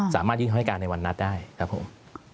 สามารถที่เขาให้การในวันนัดได้ครับผม